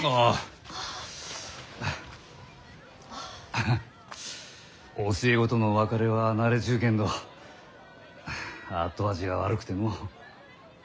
ハハ教え子との別れは慣れちゅうけんど後味が悪くてのう。